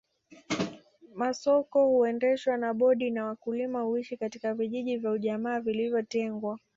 Masoko kuendeshwa na bodi na wakulima kuishi katika vijiji vya ujamaa vilivyotengwa